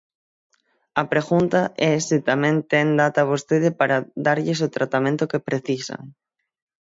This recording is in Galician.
A pregunta é se tamén ten data vostede para darlles o tratamento que precisan.